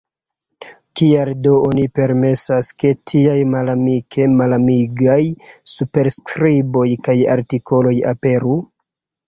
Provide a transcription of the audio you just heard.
Kial do oni permesas, ke tiaj malamike malamigaj superskriboj kaj artikoloj aperu?